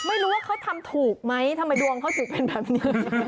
ไม่รู้ว่าเขาทำถูกไหมทำไมดวงเขาถึงเป็นแบบนี้